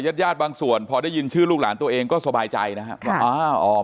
๒๑๐๖คนยาดบางส่วนพอได้ยินชื่อลูกหลานตัวเองก็สบายใจนะครับ